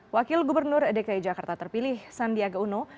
wakil gubernur dki jakarta terpilih sandiaga uno